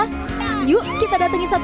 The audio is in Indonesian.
seperti bermain dengan aneka satwa